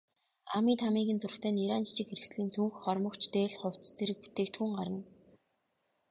Аами, Таамигийн зурагтай нярайн жижиг хэрэгслийн цүнх, хормогч, дээл, хувцас зэрэг бүтээгдэхүүн гарна.